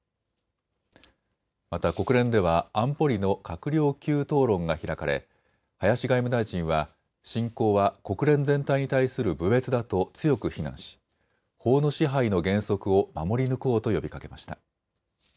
また国連では安保理の閣僚級討論が開かれ林外務大臣は侵攻は国連全体に対する侮蔑だと強く非難し法の支配の原則を守り抜こうと呼びかけました。